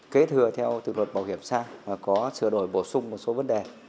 kế thừa theo từ luật bảo hiểm sang và có sửa đổi bổ sung một số vấn đề